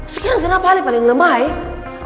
sekarang kenapa alih paling lemah ya